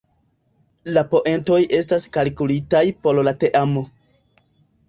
La poentoj estas kalkulitaj por la teamo.